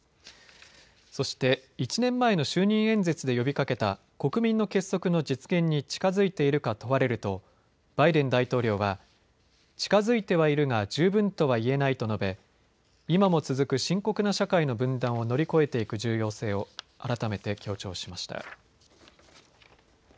そして１年前の就任演説で呼びかけた国民の結束の実現に近づいているか問われるとバイデン大統領は近づいてはいるが十分とは言えないと述べ、今も続く深刻な社会の分断を乗り越えていく重要性を改めて強調しました。